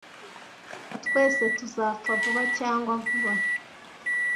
Twese tuzapfa vuba cyangwa vuba.